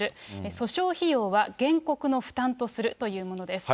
訴訟費用は原告の負担とするというものです。